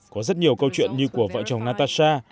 có rất nhiều câu chuyện như của vợ chồng natasa